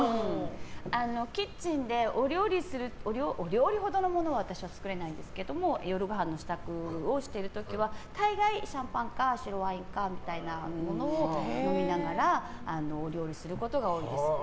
キッチンでお料理ほどのものは私、作れないですけど夜ごはんの支度をしている時は大概、シャンパンか白ワインかみたいなものを飲みながらお料理することは多いですね。